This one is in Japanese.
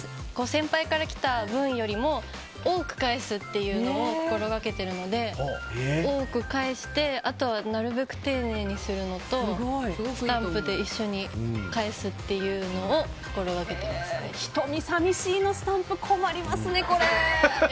先輩から来た文よりも多く返すというのを心がけているので多く返して、あとはなるべく丁寧にするのとスタンプで一緒に返すっていうのをひとみさみしいのスタンプ困りますね、これ。